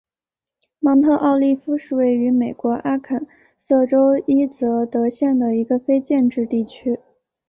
芒特奥利夫是位于美国阿肯色州伊泽德县的一个非建制地区。